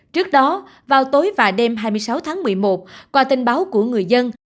trước đó vào tối và đêm hai mươi sáu tháng một mươi một qua tin báo của người dân